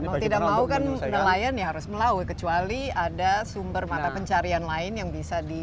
mau tidak mau kan nelayan ya harus melaut kecuali ada sumber mata pencarian lain yang bisa di